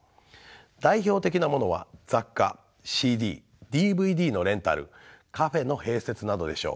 代表的なものは雑貨ＣＤＤＶＤのレンタルカフェの併設などでしょう。